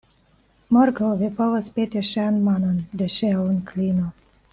Morgaŭ vi povos peti ŝian manon de ŝia onklino.